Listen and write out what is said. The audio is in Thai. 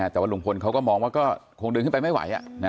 แต่ว่าลุงพลเขาก็มองว่าก็คงเดินขึ้นไปไม่ไหว